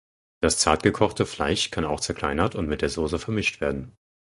Das zartgekochte Fleisch kann auch zerkleinert und mit der Soße vermischt werden.